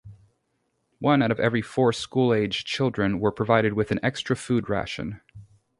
One out of every four school-age children were provided with an extra food ration.